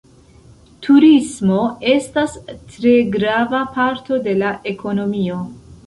Turismo estas tre grava parto de la ekonomio.